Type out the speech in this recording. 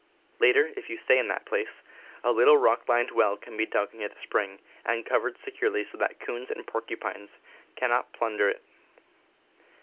Later, if you stay in that place, a little rock lined well can be dug near the spring, and covered securely so that coons and porcupines cannot plunder 80 CAMPING AND WOODCRAFT it.